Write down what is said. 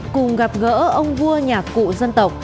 cùng gặp gỡ ông vua nhạc cụ dân tộc